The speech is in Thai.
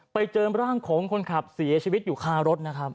ไปเจอร่างของคนขับเสียชีวิตอยู่คารถนะครับ